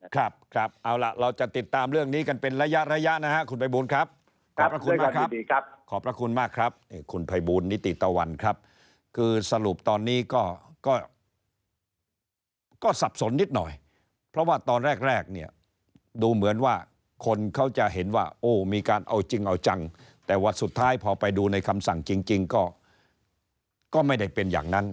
ครับครับเอาล่ะเราจะติดตามเรื่องนี้กันเป็นระยะระยะนะฮะคุณภัยบูลครับขอบพระคุณนะครับขอบพระคุณมากครับคุณภัยบูลนิติตะวันครับคือสรุปตอนนี้ก็สับสนนิดหน่อยเพราะว่าตอนแรกแรกเนี่ยดูเหมือนว่าคนเขาจะเห็นว่าโอ้มีการเอาจริงเอาจังแต่ว่าสุดท้ายพอไปดูในคำสั่งจริงก็ไม่ได้เป็นอย่างนั้น